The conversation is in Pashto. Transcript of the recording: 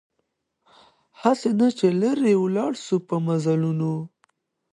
هسي نه چي لیري ولاړ سو په مزلونو